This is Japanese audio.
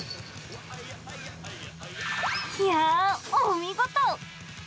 いやぁ、お見事。